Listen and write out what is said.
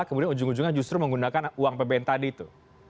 kemudian ujung ujungnya justru menggunakan uang pbn tadi itu